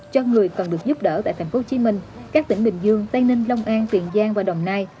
cho người cần được giúp đỡ tại tp hcm các tỉnh bình dương tây ninh long an tiền giang và đồng nai